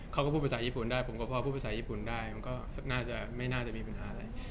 เขาก็พูดภาษาญี่ปุ่นได้ผมก็พอพูดภาษาญี่ปุ่นได้มันก็น่าจะไม่น่าจะมีปัญหาอะไร